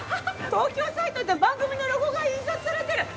『東京サイト』っていう番組のロゴが印刷されてる！